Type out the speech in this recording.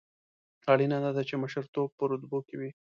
اړینه نه ده چې مشرتوب په رتبو کې وي.